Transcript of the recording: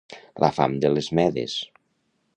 La fam de les Medes.